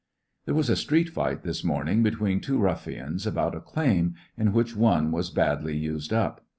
"There was a street fight this morning be tween two ruffians about a claim, in which one ^ was badly used up.